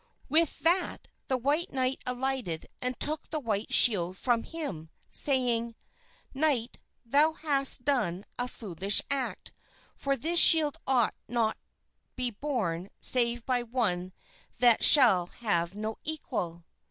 With that the white knight alighted and took the white shield from him, saying, "Knight, thou hast done a foolish act, for this shield ought not be borne save by one that shall have no equal."